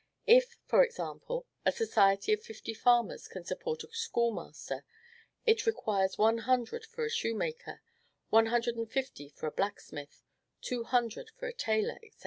If, for example, a society of fifty farmers can support a schoolmaster, it requires one hundred for a shoemaker, one hundred and fifty for a blacksmith, two hundred for a tailor, &c.